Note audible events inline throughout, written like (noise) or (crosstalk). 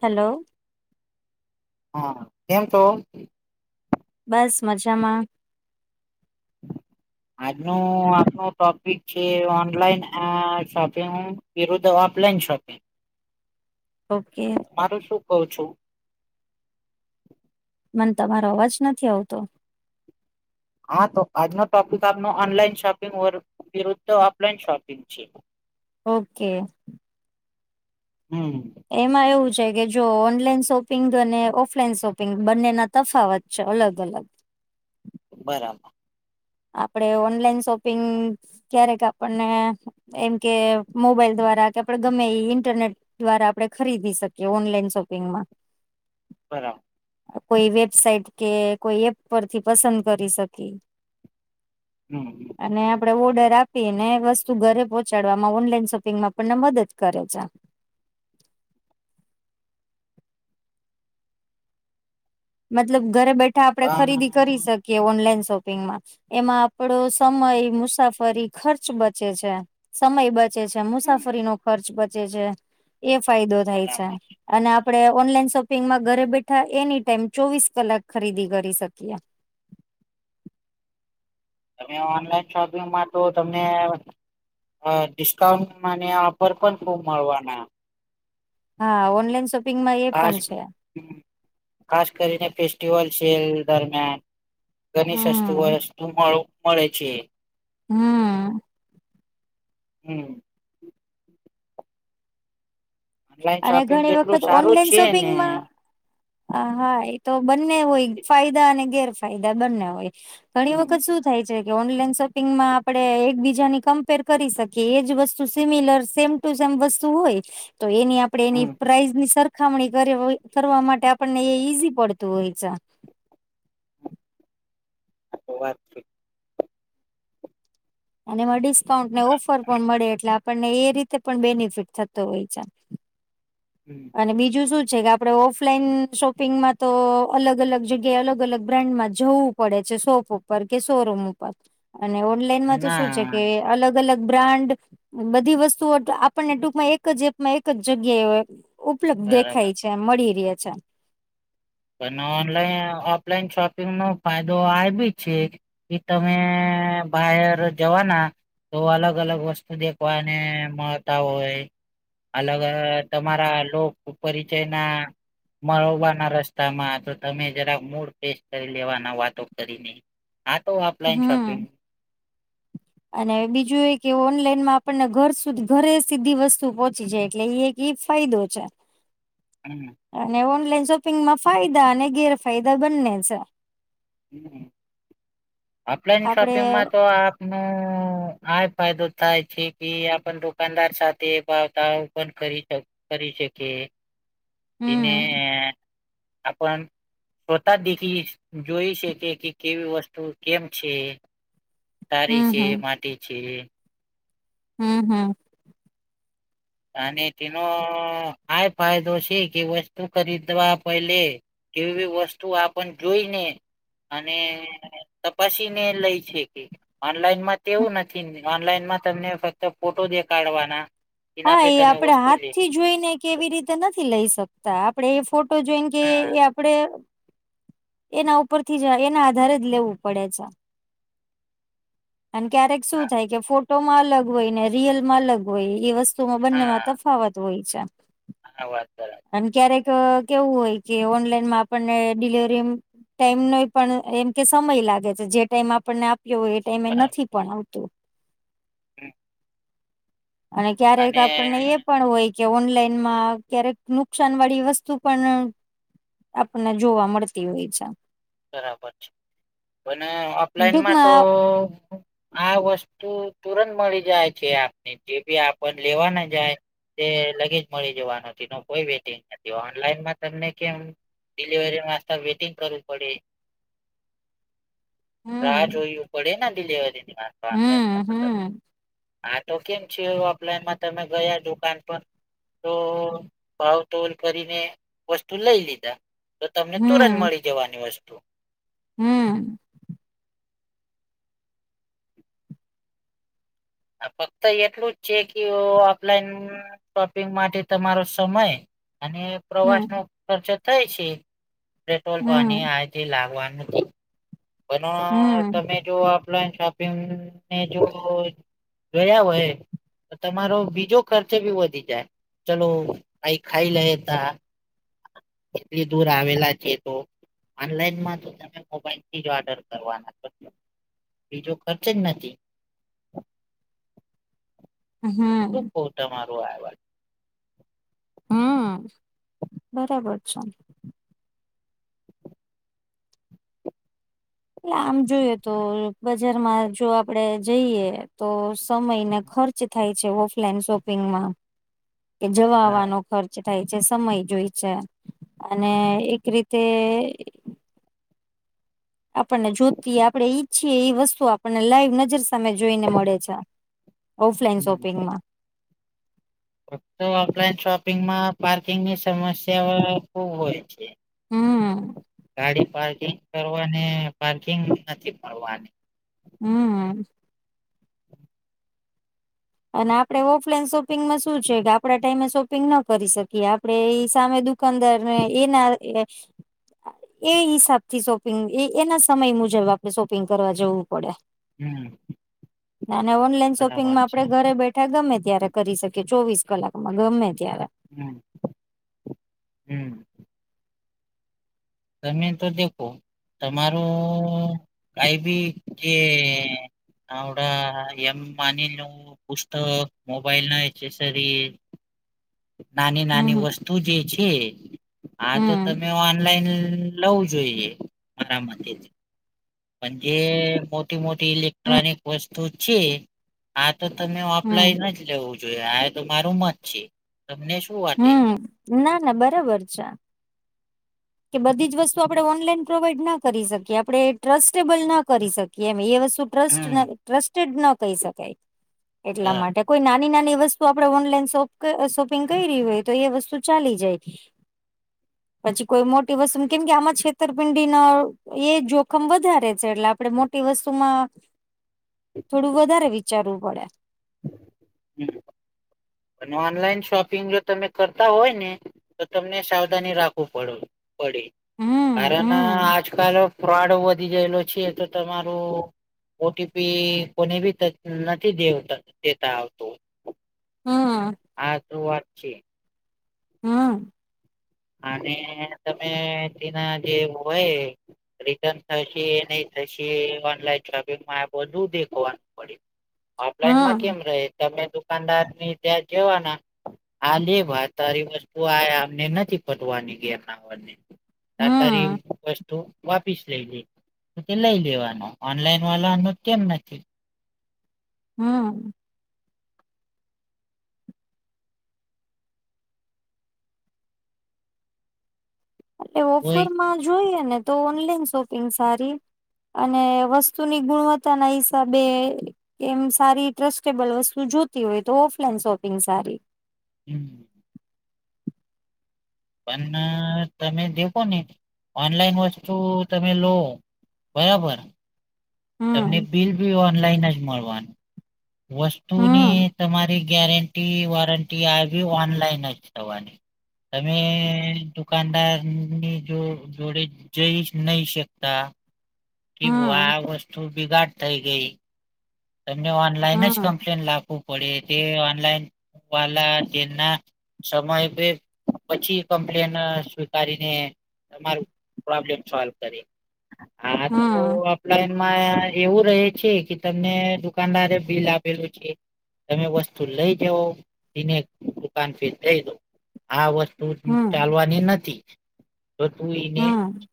Hello. હા કેમ છો? બસ મજામાં. આજનો આપનો ટોપિક છે ઓનલાઈન અ શોપિંગ. વિરુદ્ધ ઓફલાઇન શોપિંગ. ઓકે મારું શું કઉ છું. મન તમારો અવાજ નથી આવતો. હા તો આજનો ટોપિક આપનો ઓનલાઈન શોપિંગ વરુ વિરુદ્ધ ઓફલાઈન શોપિંગ. છે. ઓકે હમ એમાં એવું છે કે જો ઓનલાઈન શોપિંગ અને ઓફલાઈન શોપિંગ બંનેના તફાવત છે અલગ અલગ. બરાબર આપણેે ઓનલાઈન શોપિંગ ક્યારેક આપણને એમ કે મોબાઈલ દ્વારા કે આપડે ગમે ઈ ઇન્ટરનેટ દ્વારા આપણે ખરીદી શકીએ ઓનલાઈન શોપિંગમાં. બરા કોઈ વેબસાઇટ કે કોઈ એપ પરથી પસંદ કરી શકી. હમ હમ અને આપડે ઓર્ડર આપી ને વસ્તુ ઘરે પહોંચાડવામાં ઓનલાઈન શોપિંગમાં આપણને મદદ કરે છે. મતલબ ઘરે બેઠા આપણે ખરીદી કરી બરાબર શકીએ ઓનલાઈન શોપિંગમાં. એમાં આપડો સમય, મુસાફરી, ખર્ચ બચે છે. સમય બચે છે, મુસાફરીનો ખર્ચ બચે છે. એ ફાયદો થાય છે. અને આપડે ઓનલાઈન શોપિંગમાં ઘરે બેઠા એની ટાઈમ ચોવીસ કલાક ખરીદી કરી શકીએ એમ. તમે ઓનલાઈન શોપિંગમાં તો તમને અ ડિસ્કાઉન્ટમાં ને ઓફર પણ ખૂબ મળવાના. હા ઓનલાઈન શોપિંગમાં એ ખાસ પણ છે. હમ ખાસ કરીને ફેસ્ટિવલ છે એ દરમિયાન. ઘની સસ્તુ હમ વસ્તુ મળું મળે છે. હમ હમ ઓનલાઈન અને શોપિંગ ઘણી જેટલું વખત સારું ઓનલાઈન છે ને શોપિંગમાં આ હા એ તો બંને હોય ફાયદા અને ગેરફાયદા બંને હોય ઘણી હમ વખત શું થાય છે કે ઓનલાઇન શોપિંગમાં આપણે એકબીજાની કમ્પેર કરી શકીએ એ જ વસ્તુ સિમિલર સેમ ટુ સેમ વસ્તુ હોય તો એની આપ આપણે હમ એની પ્રાઇઝની સરખામણી કરવી કરવા માટે આપણને એ ઈઝી પડતું હોય છે. બહુ વાત થઈ. અને એમાં ડિસ્કાઉન્ટને ઓફર પણ મળે એટલે આપણને એ રીતે પણ બેનિફિટ થતો હોય છે. હમ અને બીજું શું છે કે આપણે ઓફલાઈન શોપિંગમાં તો અલગ અલગ જગ્યાએ અલગ અલગ બ્રાન્ડમાં જવું. પડે છે. શોપ ઉપર કે શોરૂમ ઉપર અને ઓનલાઈનમાં તો શું છે ના કે અલગ અલગ બ્રાન્ડ બધી વસ્તુઓ આપણને ટૂંકમાં એક જ એપમાં એક જ જગ્યાએ હોય. ઉપલબ્ધ બરાબર દેખાય છે મળી રહે છે. પણ ઓનલાઈન ઓફલાઈન શોપિંગ નો ફાયદો આ ભી છે. એ તમે બાયર જવાના તો અલગ અલગ વસ્તુ દેખવાને મળતા હોય. અલગ અલગ તમારા લોક પરિચયના મળવાના રસ્ત તામા તો તમે જરાક મૂળ ફ્રેશ કરી લેવાના વાતો કરીને. આ તો ઓફલાઈન હમ. શોપિંગ અને બીજું એ કે ઓનલાઈનમાં આપણને ઘર સુધી ઘરે સીધી વસ્તુ પહોંચી જાય એટલે ઈ એક ઈજ ફાયદો છે. હમ (unintelligible) અને ઓનલાઈન શોપિંગ માં ફાયદા અને ગેરફાયદા બંને છે. હ ઓફલાઈન આપડે શોપિંગમાં તો આપનું. આ ફાયદો થાય છે કે આપન દુકાનદાર સાથે ભાવતા તાલ કરી શક. કરી શકિયે તને હમ આપણ છતા દેખી જોઈ શકે કે કેવી વસ્તુ કેમ છે. તારી હમ છે હમ. માટી છે હમ હમ અને તનો આ ફાયદો છે કે વસ્તુ ખરીદવા પહલે. જેવી વસ્તુ આપણ જોઈ ને અને તપાસી ને લઈ છે કે ઓનલાઈનમાં તેવું નથી ઓનલાઈનમાં તમને ફક્ત ફોટો દેખાડવાના. એના હા પે એ તમે આપડે વસ્તુ હાથ લે થી જોઈને કેવી રીતે નથી લઈ શકતા આપડે એ ફોટો જોઈને. કે હા એ આપડે એના ઉપરથી જ એના આધારે જ લેવું પડે છે. (inaudible) અને ક્યારેક શું થાય કે ફોટોમાં અલગ હોય ને રિયલમાં અલગ હોય એ વસ્તુ તો બંને માં હા તફાવત હોય છે. આ વાત બરાબર અને ક્યારેક કેવું હોય કે ઓનલાઈનમાં આપણને ડિલિવરી. ટાઈમ નો પણ એમ કે સમય લાગે છે જે ટાઈમ આપણને આપ્યો હોય એ ટાઈમે એ નથી પણ આવતું. હમ અને ક્યારેક આપણને એ પણ હોય. કે ઓનલાઈન માં ક્યારેક નુકસાન વાળી વસ્તુ પણ આપણને જોવા મળતી હોય છે. બરાબર છે પણ ઓફલાઈનમાં તો ટૂંકમાં આ વસ્તુ તુરંત મળી જાય છે આપને જે બી આપ લેવા ના જાય તે લગેજ મળી જવાનો ન કોઈ વેટિંગ નથી ઓનલાઈનમાં તમને કેમ. ડિલિવરી માસ્તાર વેટિંગ કરું. પડે રાહ હમ જોયું પડે દિલીવારીની વાત હમ હમ આ તો કેમ છે ઓફલાઈનમાં તો ગયા દુકાન બંદ. તો ભાવ તોલ કરીને વસ્તુ લઈ લીધા. તો તમને તુરંત હમ મળી જવાની વસ્તુ. હમ આ ફક્ત એટલું જ છે કે ઓફલાઈન શોપિંગ માટે તમારો સમય અને પ્રવાસ નો હમ ખર્ચો થાય છે પેટ્રોલ પાણી હમ આથી લાગવાનું પણ હમ તમે જો ઓફલાઈન શોપ. ને જો ગયા હોય તમારો બીજો ખર્ચ ભી વધી જાય ચલો કઈ ખાઈ લે તા એટલી દૂર આવેલા છે તો ઓનલાઈન માં તો તમે મોબાઈલ થી જ ઓર્ડર કરવાના છો બીજો ખર્ચ જ નથી શું હમ કવ તમારું આજ. હા બરાબર છે. આમ જોઈએ તો બજારમાં જો આપડે જઈએ તો સમય ને ખર્ચ. થાય છે ઓફલાઈન શોપિંગમાં. (inaudible) એ હા જવાવાનો ખર્ચ થાય છે સમય જોય છે અને એક રીતે આપણને જોતી આપડે ઈચ્છીએ એ વસ્તુ આપણને લાઈવ નજર સામે જોઈને મળે છે ઓફ લઇન શોપિંગમાં. ઓફલાઈન શોપિંગમાં પાર્કિંગની સમસ્યા ખુબ હોય છે. હમ. ગાડી પાર્કિંગ કરવાને પાર્કિંગ નથી કરવાની હમ. અને આપણે ઓફલાઈન શોપિંગમાં શું છે કે આપડા ટાઈમે શોપિંગ ન કરી શકીએ આપડે એઈ સામે દુ કાનદાર એ ના (inaudible) એ હિસાબ થી શોપિંગ એ એના સમય મુજબ આપણે શોપિંગ કરવા જવું પડે. હમ. ના ઓનલાઈન શોપિંગ બરાબર માં છે ઘરે બેઠા ગમે ત્યારે કરી શકી ચોવીસ કલાકમાં ગમે ત્યારે. હમ. હમ તમે તો દેખો તમારું કઈ બી જે હડા એમ માનીલ નું પુસ્તક, મોબાઈલ ના એક્સેસરીઝ નાની નાની હમ વસ્તુ જે છે, આ તો હમ તમે ઓનલાઈન લવું જોઈએ મારા માટેથી પણ જે મોટી મોટી હમ ઇલેક્ટ્રોનિક વસ્તુ છે આ તો તમે હમ ઓફલાઇન ન જ લેવું જોઈએ આ તો મારું મત છે, તમને શું? વાટે હમ ના ના બરાબર છે. કે બધી જ વસ્તુ આપણે ઓનલાઈન પ્રોવાઈડ ના કરી શકીએ આપણે ટ્રસ્ટેબલ ના કરી શકીએ એમ એ વસ્તુ ટસ્ટ હમ ટ્રસ્ટેડ ન કહી શકાય. એટલા બરાબર માટે કોઈ નાની નાની વસ્તુ આપડે ઓનલાઈન શોપિંગ કરી રહી હોય, તો એ વસ્તુ ચાલી જાય. પછી કોઈ મોટી વસ્તુ કેમ કે આમાં છેતરપિંડી નો એ જોખમ વધારે છે એટલે આપણેે મોટી વસ્તુમાં થોડું વધારે વિચારવું પડે. હમ. અને ઓનલાઈન શોપિંગ જો તમે કરતા હોય ને તો તમને સાવધાની રાખવું પડું પડે હમ કારણ હમ આજકાલ ફ્રોડ વધી ગયેલો છે તો તમારું ઓટીપી કોને બી નથી દે દેતા આવતું. હમ. આતો વાત છે. હમ. અને તમે તેના જે હોય રિટર્ન થશે એ નહી થશે ઓનલાઈન શોપિંગમાં આ બધું દેખવાનું પડ્યું. ઓફલાઈનમાં હમ કેમ રહે તમે દુાનદાર ની ત્યાં જવાના આ લે ભ તારી વસ્તુ આમને નથી બદવાની ગમના ને તાકારારી હમ તો વાપીસ લઈ લ તે લઈ લેવાનો ઓનલાઈન વાળનો કેમ નથી હ એ હોય ઓફરમાં જોઈએ ને તો ઓનલાઈન શોપિંગ સારી અને વસ્તુની ગુણવત્તા ના હિસાબે કેમ સારી ટ્રસ્ટેબલ વસ્તુ જોતી હોય, તો ઓફલાઈન શોપિંગ સારી. હમ. પણ તમે દેખો ને ઓનલાઈન વસ્તુ તમે લો બરાબર તમને હમ બિલ ભી ઓનલાઈન જ મળવાનું. વસ્તુની હમ તમારી ગેરંટી વોરંટી આવી ઓનલાઈન જ થવાની. તમે દુકાનદારની જો જોડે જઈ નહી શકતા કે ભ હમ વા વસ્તુ બિગાડ થઈ ગઈ. તમને ઓનલાઈન જ હમ કમ્પ્લેન લાવવું પડે તે ઓનલાઈન વાલા તેના સમય પછી કમ્પ્લેન સ્વીકારીને. તમારું પ્રોબ્લેમ સોલ્વ કરી. આ તો હમ આપડા એમાં એવું રહે છે કે તમ મને દુકાનદારે બિલ આપેલું છે. તમે વસ્તુ લઈ જાવ એને દુકાન ફથી જઈ દો આ વસ્તુ હમ ચાલવાની નથી તો તું એઈને. હમ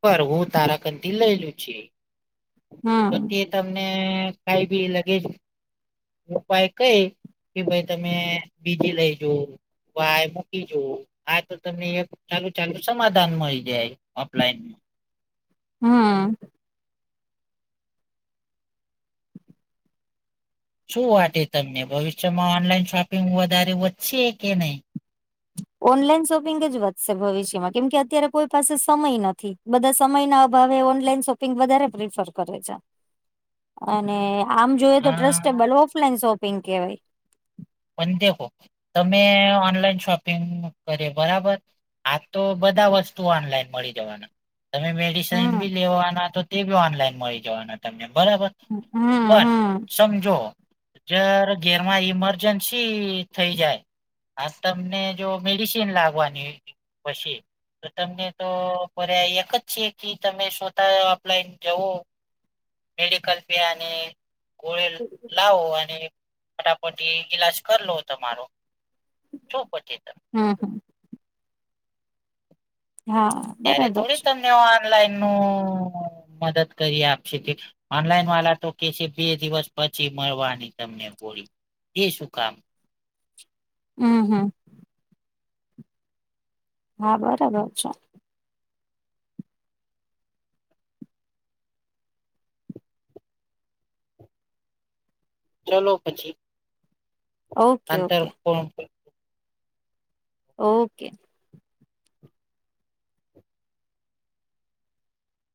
પર હું તારાક થી લેલું છી. હમ તોથી તમને કઈ બી લગે જ ઉપાય કઈ કે ભાઈ તમે બીજી લઈ જવ. વાય મુકી જો. હા તો તમને એક ચાલુ ચાલુ સમાધાન મળી જાય ઓફલાઈનમાં. હમ્મ શું વા તમને ભવિષ્યમાં ઓનલાઈન શોપિંગ વધારે વધશે કે નહીં. ઓનલાઈન શોપિંગ જ વધશે ભવિષ્યમાં કેમ કે અત્યારે કોઈ પાસે સમય નથી બધા સમય ના. હવે ઓનલાઈન શોપિંગ વધારે પ્રિફર કરે છે. (inaudible) અને આમ જોઈય તો હા ટ્રસ્ટેબલ ઓફલાઈન શોપિંગ કેહેવાય. પણ દેખો તમે ઓનલાઈન શોપિંગ કરે બરાબર. આ તો બધા વસ્તુ ઓનલાઈન મળી જવાના તમે મેડિસિન હમ બી લેવાના તો તે બી ઓનલાઈન મળી જવાના તમને બરાબર હમ હમ પણ હમ સમજો. જર ઘેરમાં ઈમરજન્સી થઇ જાય. હા તમને જો મેડિસિન લાગવાની પછી. તો તમને તો ફ્યા એક જ છે કે તમે શોતા અપલાઈન જવો. મેડિકલ ફ અને ગોળે લાવો અને ફટાફટ. ગિલાસ કર લો તમારો છો પછી તમે. હમ્મ હા. ત્યારે બરાબર થોડી છે તમને ઓનલાઈન નું મદદ કરી આપશે કે ઓનલાઈન વાલા તો કે છે બે દિવસ પછી મળવાની તમને ગોળી એ શું કામ. હમ હમ. હા બરાબર છે. ચલો પછી. ઓકે અંતર ઓકે કો ઓકે.